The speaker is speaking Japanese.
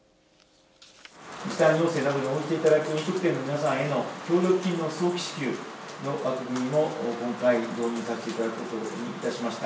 時短要請などに応じていただく飲食店の皆さんへの協力金の早期支給の枠組みも今回、導入させていただくことにいたしました。